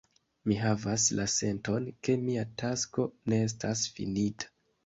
Mi havas la senton, ke mia tasko ne estas finita.